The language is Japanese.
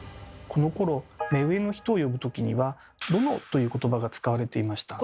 このころ目上の人を呼ぶときには「殿」ということばが使われていました。